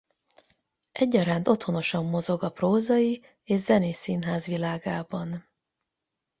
Egyaránt otthonosan mozog a prózai és zenés színház világában.